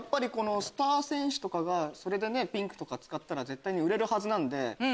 スター選手がピンクとか使ったら絶対に売れるはずなんで。